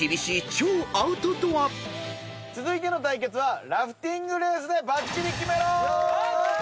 続いての対決はラフティングレースでバッチリキメろ！